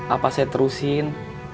apa saya terusin